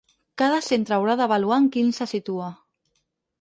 Cada centre haurà d’avaluar en quin se situa.